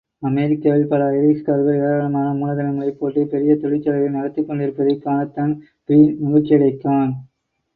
அமெரிக்காவில் பல ஐரிஷ்காரர்கள் ஏராளமான மூலதனங்களைப் போட்டுப் பெரிய தொழிற்சாலைகளை நடத்திக் கொண்டிருப்பதைக் காணத்தான்பிரீன் மகிழ்ச்சியடைக்கான்.